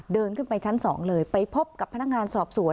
เดินขึ้นไปชั้น๒เลยไปพบกับพนักงานสอบสวน